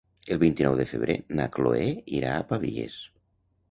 El vint-i-nou de febrer na Cloè irà a Pavies.